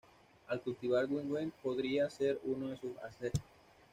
El cultivar Wagener podría ser uno se sus ancestros.